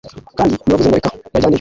Kandi ntiwavuze ngo Reka banjyaneyo